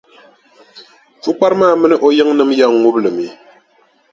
Pukpara maa mini o yiŋnima yɛn ŋubi li mi.